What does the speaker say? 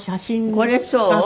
これそう？